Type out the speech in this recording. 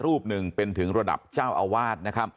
รูปหนึ่งเป็นถึงระดับเจ้าอาวาท